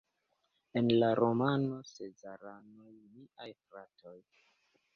En la romano Sezaranoj miaj fratoj!